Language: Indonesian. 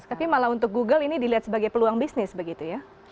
tapi malah untuk google ini dilihat sebagai peluang bisnis begitu ya